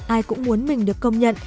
ai cũng muốn mình được công nhận